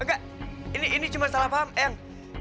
enggak ini cuma salah paham